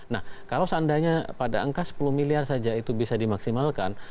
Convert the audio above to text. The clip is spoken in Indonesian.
nah kalau seandainya pada angka sepuluh miliar saja itu bisa dimaksimalkan